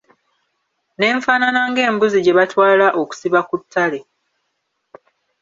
Ne nfaanaa ng'embuzi gye batwala okusiba ku ttale.